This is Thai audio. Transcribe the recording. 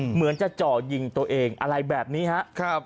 เหมือนจะจ่อยิงตัวเองอะไรแบบนี้ครับ